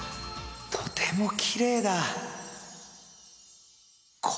とてもきれいだ。